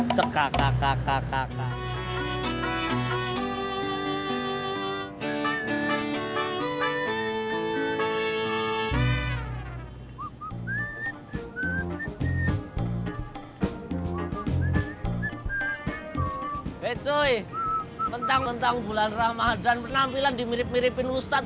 cekaka kaka kaka hai hai cuy tentang bulan ramadhan penampilan dimirip miripin ustadz